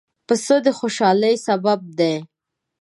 پسه د خوشحالۍ سبب دی.